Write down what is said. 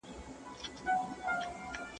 متقابل احترام د ميني او امن ضامن دی.